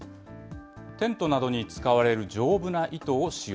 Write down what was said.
テントなどに使われる丈夫な糸を使用。